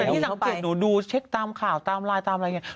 แต่ที่สังเกตหนูดูเช็คตามข่าวตามไลน์ตามอะไรอย่างนี้